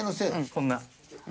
こんな。